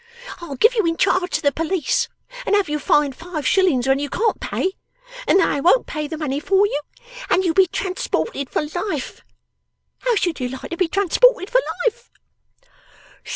I'll give you in charge to the police, and have you fined five shillings when you can't pay, and then I won't pay the money for you, and you'll be transported for life. How should you like to be transported for life?